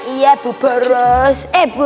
iya ibu peros